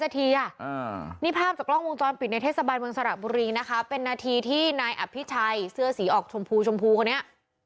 ตอนปิดในเทศบาลเมืองสระบุรีนะคะเป็นนาทีที่นายอัพพิชัยเสื้อสีออกชมพูคนนี้